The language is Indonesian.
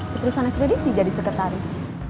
di perusahaan ekspedisi jadi sekretaris